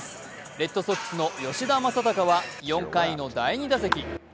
レッドソックスの吉田正尚は４回の第２打席。